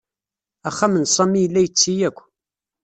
Axxam n Sami yella yetti akk.